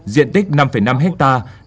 diện tích năm năm hectare